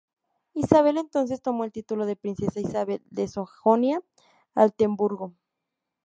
Isabel entonces tomó el título de "Princesa Isabel de Sajonia-Altenburgo".